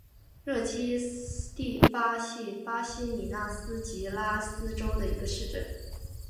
热基蒂巴是巴西米纳斯吉拉斯州的一个市镇。